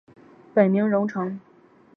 本名融成。